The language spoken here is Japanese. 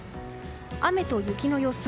雨と雪の予想。